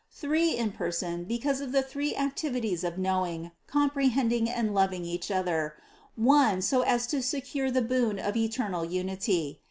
Three in Person, because of the three activities of knowing, comprehending and loving each other; one, so as to secure the boon of eternal unity.